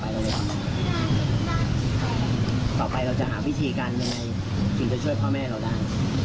แล้วต่อไปเราจะหาวิธีการที่จะช่วยพ่อแม่เราได้